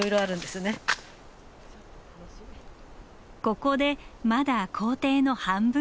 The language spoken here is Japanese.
ここでまだ行程の半分ほど。